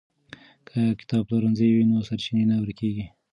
که کتابپلورنځی وي نو سرچینه نه ورکېږي.